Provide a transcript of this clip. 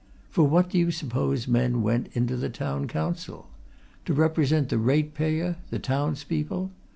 For what do you suppose men went into the Town Council? To represent the ratepayer, the townspeople?